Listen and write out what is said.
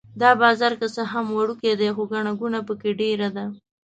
دا بازار که څه هم وړوکی دی خو ګڼه ګوڼه په کې ډېره ده.